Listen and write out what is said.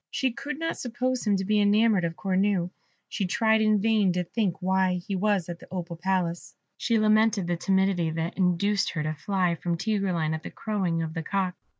She could not suppose him to be enamoured of Cornue; she tried in vain to think why he was at the Opal Palace; she lamented the timidity that induced her to fly from Tigreline at the crowing of the cock.